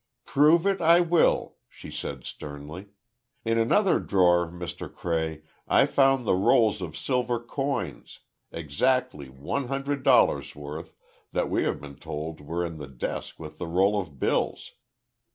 "Prove it I will!" she said, sternly. "In another drawer, Mr. Cray, I found the rolls of silver coin—exactly one hundred dollars worth—that we have been told were in the desk with the roll of bills.